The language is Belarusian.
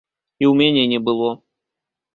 І ў мяне не было.